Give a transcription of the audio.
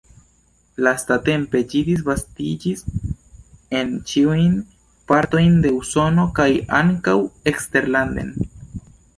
Lastatempe ĝi disvastiĝis en ĉiujn partojn de Usono kaj ankaŭ eksterlanden.